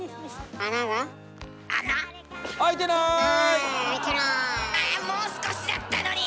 あもう少しだったのに！